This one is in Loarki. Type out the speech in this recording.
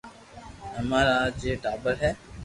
امارآ ڇي ٽاٻر ھي